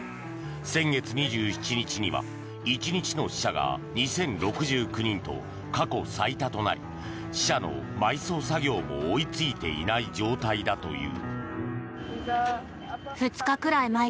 先月２７日には１日の死者が２０６９人と過去最多となり死者の埋葬作業も追いついていない状態だという。